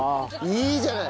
いいじゃない。